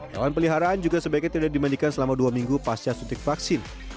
hewan peliharaan juga sebaiknya tidak dimandikan selama dua minggu pasca suntik vaksin